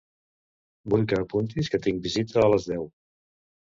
Vull que apuntis que tinc visita a les deu.